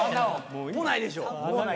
もうないでしょ。